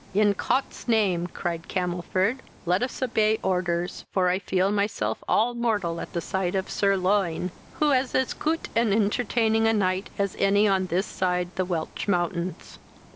"In Cot's name, (cried Camelford,) let us obey orders, for I feel myself all mortal at sight of Sir loin, who is as coot and entertaining a knight as any on this side the Welch mountains."